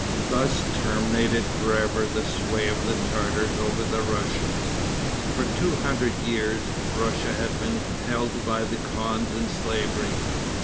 Thus terminated for ever the sway of the Tartars over the Russians. For two hundred years, Russia had been held by the khans in slavery.